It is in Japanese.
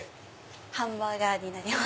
ハンバーガーになります。